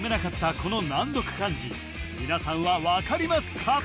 この難読漢字皆さんは分かりますか？